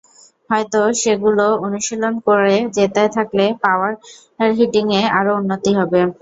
হয়তো সেগুলো অনুশীলন করে যেতে থাকলে পাওয়ার হিটিংয়ে আরও উন্নতি হবে।